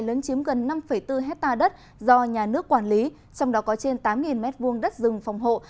lớn chiếm gần năm bốn hectare đất do nhà nước quản lý trong đó có trên tám m hai đất rừng phòng hộ